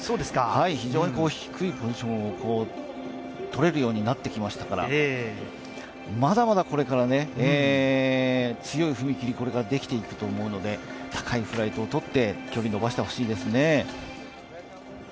非常に低いポジションをとれるようになってきましたからまだまだこれからね、強い踏み切りできていけると思うので高いフライトをとって、距離を延ばしてほしいですね。